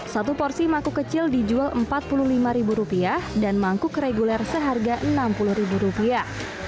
satu porsi mangkuk kecil dijual empat puluh lima rupiah dan mangkuk reguler seharga enam puluh rupiah